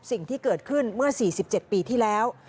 สิ่งที่เกิดขึ้นเมื่อ๔๗ปีที่แล้ว